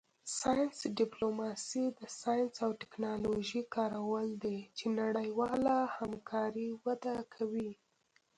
ساینس ډیپلوماسي د ساینس او ټیکنالوژۍ کارول دي چې نړیواله همکاري وده کوي